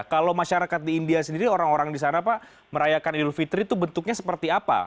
kalau masyarakat di india sendiri orang orang di sana pak merayakan idul fitri itu bentuknya seperti apa